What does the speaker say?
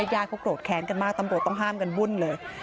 ยาพวกโกรธแข็งกันมากตำรวจต้องห้ามกันวุ่นเลย